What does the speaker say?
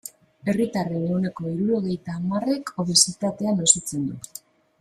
Herritarren ehuneko hirurogeita hamarrek obesitatea nozitzen dute.